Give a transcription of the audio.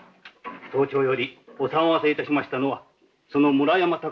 早朝よりお騒がせいたしましたのはその村山たかなる女